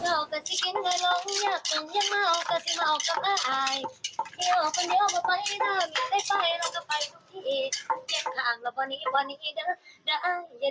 อักรุง